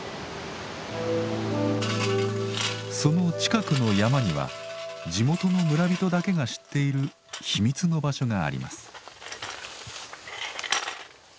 その近くの山には地元の村人だけが知っている秘密の場所があります。